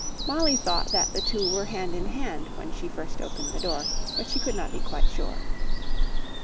Molly thought that the two were hand in hand when she first opened the door, but she could not be quite sure.